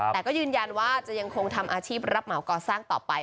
แต่ก็ยืนยันว่าจะยังคงทำอาชีพรับเหมาก่อสร้างต่อไป